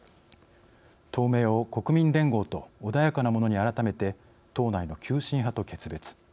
党名を「国民連合」と穏やかなものに改めて党内の急進派と決別。